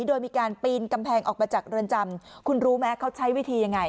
โดยมีการปีนกำแพงออกมาจากเรือนจำคุณรู้ไหมเขาใช้วิธียังไง